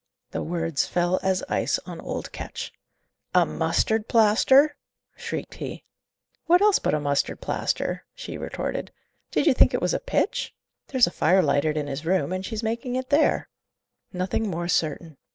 The words fell as ice on old Ketch. "A mustard plaster?" shrieked he. "What else but a mustard plaster!" she retorted. "Did you think it was a pitch? There's a fire lighted in his room, and she's making it there." Nothing more certain.